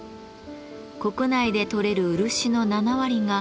国内で採れる漆の７割が